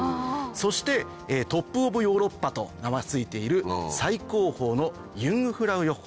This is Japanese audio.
そして「トップオブヨーロッパ」と名が付いている最高峰のユングフラウヨッホ。